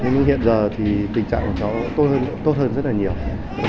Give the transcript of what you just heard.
nhưng hiện giờ thì tình trạng của cháu tốt hơn rất là nhiều